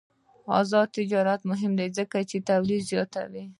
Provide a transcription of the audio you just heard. آزاد تجارت مهم دی ځکه چې تولید زیاتوي.